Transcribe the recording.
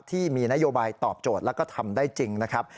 ที่มีนโยบายตอบโจทย์แล้วก็ทำได้จริงนะครับ